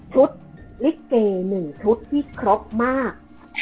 ชุดลิเก๑ชุดที่ครบมาก